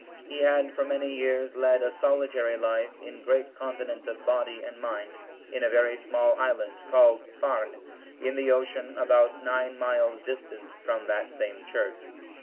He had for many years led a solitary life, in great continence of body and mind, in a very small island, called Farne,(741) in the ocean about nine miles distant from that same church.